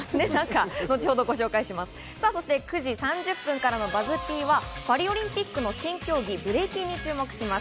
９時３０分からのＢＵＺＺ−Ｐはパリオリンピックの新競技ブレイキンに注目します。